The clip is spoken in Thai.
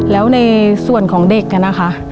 แล้วในส่วนของเด็กนะคะ